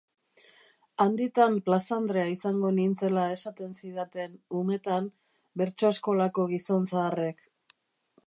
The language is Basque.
Handitan plazandrea izango nintzela esaten zidaten umetan bertso eskolako gizon zaharrek.